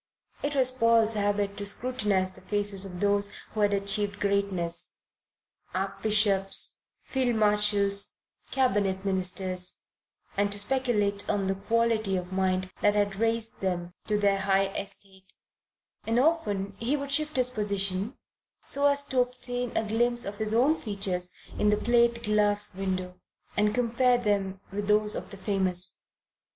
It was Paul's habit to scrutinize the faces of those who had achieved greatness, Archbishops, Field Marshals, Cabinet Ministers, and to speculate on the quality of mind that had raised them to their high estate; and often he would shift his position, so as to obtain a glimpse of his own features in the plate glass window, and compare them with those of the famous.